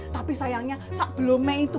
tapi sayangnya sebelumnya itu